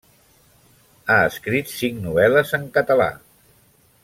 Ha escrit cinc novel·les en català.